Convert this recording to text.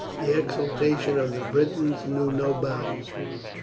The exultation of the Britons knew no bounds.